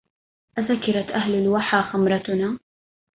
أسكرت أهل الوحا خمرتنا